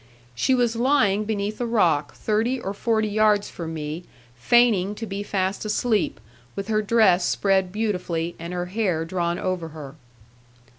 She was lying beneath a rock, thirty or forty yards from me, feigning to be fast asleep, with her dress spread beautifully, and her hair drawn over her.